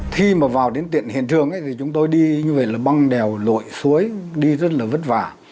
khi mà vào đến tiện hiện trường thì chúng tôi đi như vậy là băng đèo lội suối đi rất là vất vả